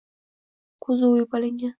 Koʻzi oʻyib olingan